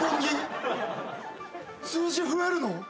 数字増えるの？